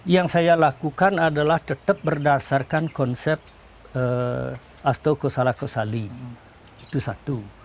yang saya lakukan adalah tetap berdasarkan konsep astokosala kosali itu satu